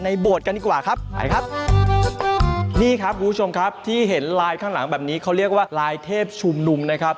นี่ครับคุณผู้ชมครับที่เห็นลายข้างหลังแบบนี้เขาเรียกว่าลายเทพชุมนุมนะครับ